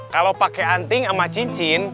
kalau pakai anting sama cincin